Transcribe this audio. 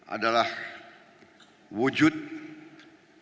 adalah wujud dari